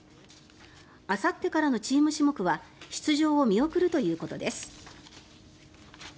あさってからのチーム種目は出場を見送るということです。